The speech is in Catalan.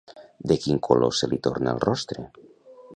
De quin color se li torna el rostre?